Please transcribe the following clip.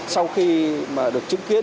sau khi mà được chứng kiến